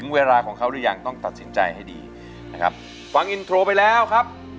เวลาของเขาหรือยังต้องตัดสินใจให้ดีนะครับฟังอินโทรไปแล้วครับ